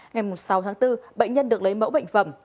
ngày sáu tháng bốn bệnh nhân được lấy mẫu bệnh phẩm